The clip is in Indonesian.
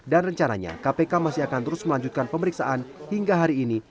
rencananya kpk masih akan terus melanjutkan pemeriksaan hingga hari ini